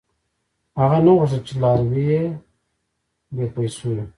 • هغه نه غوښتل، چې لاروي یې بېپېسو وي.